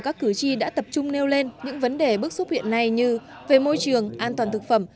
các cử tri đã tập trung nêu lên những vấn đề bước xuất hiện này như về môi trường an toàn thực phẩm